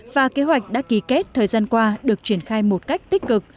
và kế hoạch đã ký kết thời gian qua được triển khai một cách tích cực